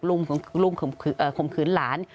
ลุงข์ข่มขืนลาน